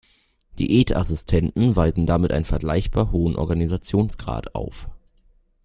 Diätassistenten weisen damit einen vergleichbar hohen Organisationsgrad auf.